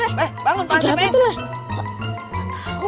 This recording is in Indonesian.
eh bangun pak ancik peng